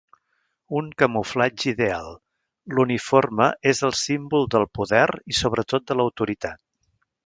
Un camuflatge ideal, l'uniforme és el símbol del poder i sobretot de l'autoritat.